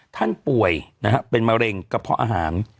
ท่านป่วยนะฮะเป็นมะเร็งกระเพาะอาหาร